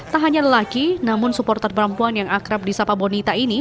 tak hanya lelaki namun supporter perempuan yang akrab di sapa bonita ini